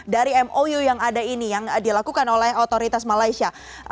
dari mou yang ada ini yang dilakukan oleh otoritas malaysia